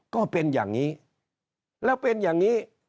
ก็เป็นอย่างนี้แล้วเป็นอย่างนี้